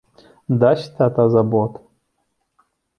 Дасць тата за бот!